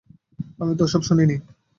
আমি তো ওসব শুনিনি।